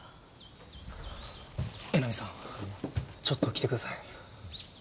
ちょっと来てください。